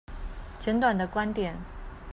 簡短的觀點